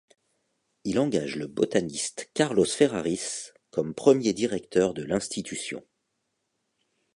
Il engage le botaniste Carlos Ferraris comme premier directeur de l'institution.